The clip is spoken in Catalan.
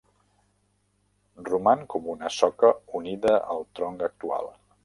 Roman com una soca unida al tronc actual.